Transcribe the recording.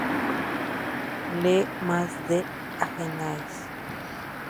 Le Mas-d'Agenais